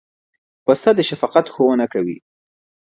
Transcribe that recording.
پسه د شفقت ښوونه کوي.